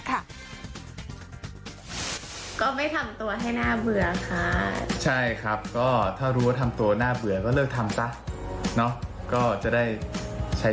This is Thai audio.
เวลามีปัญหาเราก็จะแบบพยายามถามตัวเองว่าอะไรสำคัญสุดสำหรับเรา